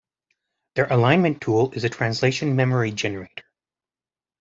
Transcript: Their Alignment Tool is a translation memory generator.